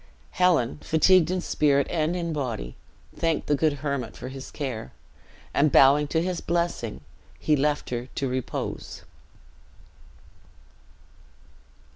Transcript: Helen, fatigued in spirit and in body, thanked the good hermit for his care; and bowing to his blessing, he left her to repose.